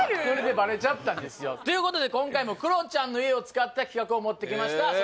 それでバレちゃったんですよということで今回もクロちゃんの家を使った企画を持ってきました